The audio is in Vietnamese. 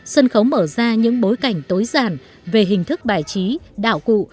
sân khấu mở ra những bối cảnh tối giản về hình thức bài trí đạo cụ